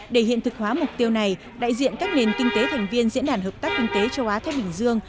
để hiện thực hóa mục tiêu này đại diện các nền kinh tế thành viên diễn đàn hợp tác kinh tế châu á thái bình dương